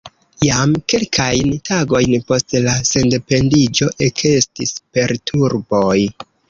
Jam kelkajn tagojn post la sendependiĝo ekestis perturboj.